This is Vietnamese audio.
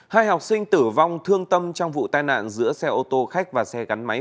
hai học sinh tử vong thương tâm trong vụ tai nạn giữa xe ô tô khách và xe gắn máy